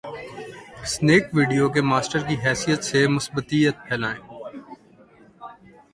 Snack Video کے master کی حیثیت سے ، مثبتیت پھیلائیں۔